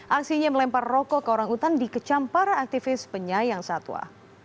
aksinya melempar rokok ke orang utan dikecam para aktivis penyayang satwa